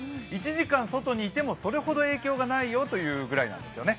１時間外にいても、それほど影響がないよというぐらいなんですね。